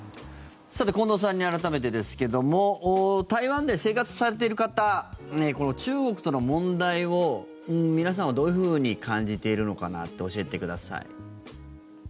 さて、近藤さんに改めてですけども台湾で生活されている方中国との問題を皆さんは、どういうふうに感じているのかなって教えてください。